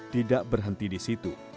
tidak berhenti di situ